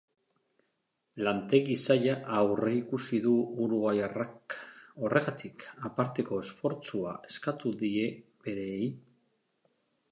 Lantegi zaila aurreikusi du uruguaiarrak, horregatik aparteko esfortzua eskatu die bereei.